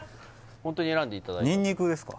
ホントに選んでいただいてにんにくですか？